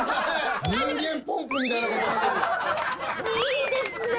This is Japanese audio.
いいですね。